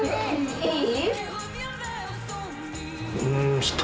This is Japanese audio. いい？